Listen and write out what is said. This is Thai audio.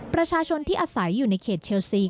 ประชาชนที่อาศัยอยู่ในเขตเชลซี